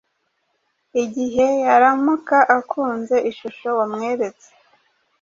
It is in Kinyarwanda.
Igihe yaramuka akunze ishusho wamweretse